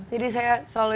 jadi saya selalu